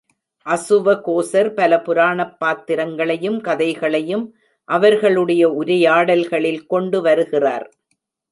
அசுவகோசர் பல புராணப் பாத்திரங்களையும் கதைகளையும் அவர்களுடைய உரையாடல்களில் கொண்டு வருகிறார்.